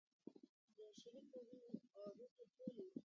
د شریکو وینو اړیکې ټولې